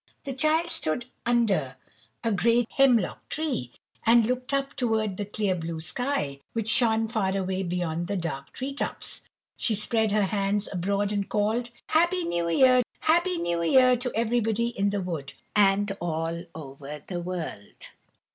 The Child stood under a great hemlock tree, and looked up toward the clear blue sky, which shone far away beyond the dark tree tops. She spread her hands abroad and called, "Happy New Year! Happy New Year to everybody in the wood, and all over the world!"